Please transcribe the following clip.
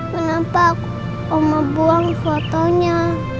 kenapa aku mau buang fotonya